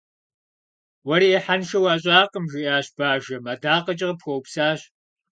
Уэри ӏыхьэншэ уащӏакъым, - жиӏащ бажэм. - Адакъэкӏэ къыпхуэупсащ.